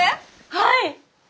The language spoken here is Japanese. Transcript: はい！